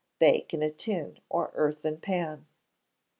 Bake in a tin or earthen pan.